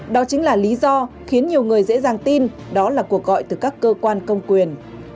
đó chính là lý do khiến nhiều người dễ dàng tin đó là cuộc gọi từ các cơ quan công quyền